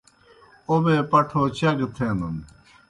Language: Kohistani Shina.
اوْبے پٹھو چاء گہ تھینَن۔